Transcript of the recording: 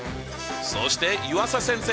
そして湯浅先生